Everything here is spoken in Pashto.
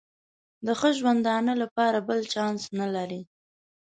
د ښه ژوندانه لپاره بل چانس نه لري.